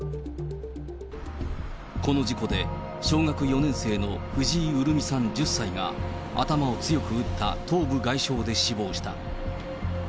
この事故で、小学４年生の藤井潤美さん１０歳が、頭を強く打った頭部外傷で死亡した。